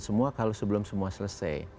semua kalau sebelum semua selesai